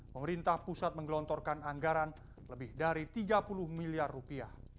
pemerintah pusat menggelontorkan anggaran lebih dari tiga puluh miliar rupiah